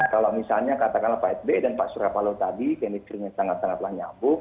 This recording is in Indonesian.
kalau misalnya katakanlah pak sby dan pak suryapalo tadi kemistrinya sangat sangatlah nyambung